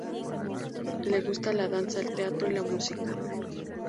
Le gusta la danza, el teatro y la música.